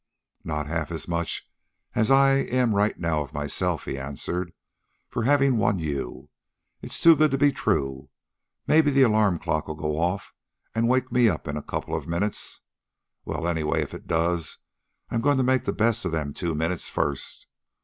"Not half as much as I am right now of myself," he answered, "for having won you. It's too good to be true. Maybe the alarm clock'll go off and wake me up in a couple of minutes. Well, anyway, if it does, I'm goin' to make the best of them two minutes first.